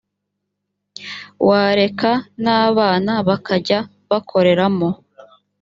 wareka n’ abana bakajya bakoreramo.